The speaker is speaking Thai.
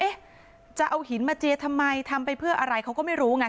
จะเอาหินมาเจียทำไมทำไปเพื่ออะไรเขาก็ไม่รู้ไง